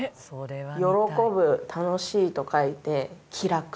「喜ぶ」「楽しい」と書いて。